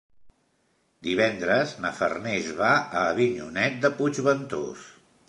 Divendres na Farners va a Avinyonet de Puigventós.